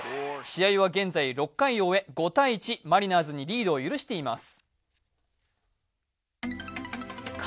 試合は現在６回を終え、５−１、マリナーズにリードを許しています。